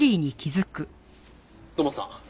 土門さん